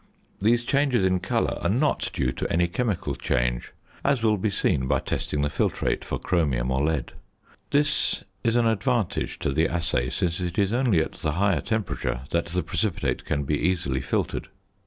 These changes in colour are not due to any chemical change, as will be seen by testing the filtrate for chromium or lead: this is an advantage to the assay, since it is only at the higher temperature that the precipitate can be easily filtered.